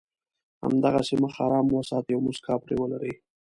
همداسې مخ ارام وساتئ او مسکا پرې ولرئ.